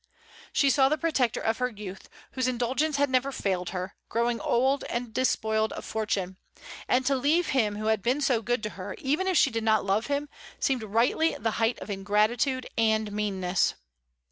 "She saw the protector of her youth, whose indulgence had never failed her, growing old, and despoiled of fortune; and to leave him who had been so good to her, even if she did not love him, seemed rightly the height of ingratitude and meanness."